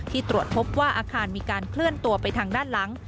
ตรวจพบว่าอาคารมีการเคลื่อนตัวไปทางด้านหลัง